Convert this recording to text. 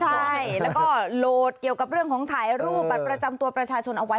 ใช่แล้วก็โหลดเกี่ยวกับเรื่องของถ่ายรูปบัตรประจำตัวประชาชนเอาไว้